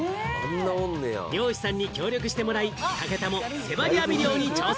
漁師さんに協力してもらい、武田も瀬張り網漁に挑戦。